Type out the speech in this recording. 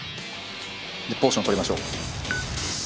でポーション取りましょう。